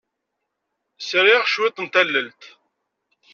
Sriɣ cwiṭ n tallalt.